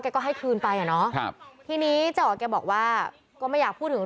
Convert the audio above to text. ก็ให้คืนไปอ่ะเนาะครับทีนี้เจ้าอ๋อแกบอกว่าก็ไม่อยากพูดถึง